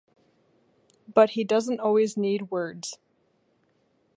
But he doesn’t always need words.